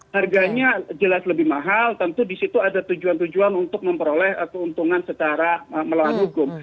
harganya jelas lebih mahal tentu disitu ada tujuan tujuan untuk memperoleh keuntungan secara melawan hukum